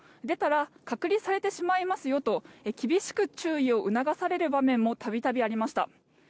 出たら隔離されてしまいますよと厳しく注意を促される場面も度々ありました。